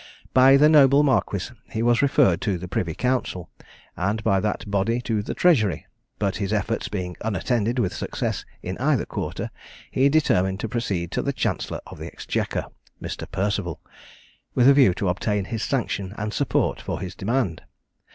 By the noble marquis he was referred to the Privy Council, and by that body to the Treasury; but his efforts being unattended with success in either quarter, he determined to proceed to the Chancellor of the Exchequer (Mr. Perceval), with a view to obtain his sanction and support for his demand.